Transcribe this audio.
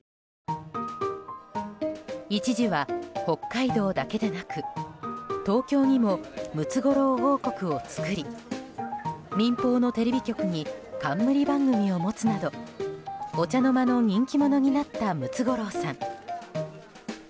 一時は北海道だけでなく東京にもムツゴロウ王国を作り民放のテレビ局に冠番組を持つなどお茶の間の人気者になったムツゴロウさん。